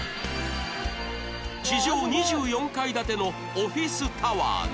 地上２４階建てのオフィスタワーに